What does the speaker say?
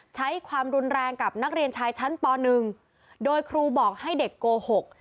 ใช้ความรุนแรงกับนักเรียนชายชั้นป๑โดยครูบอกให้เด็กโกหก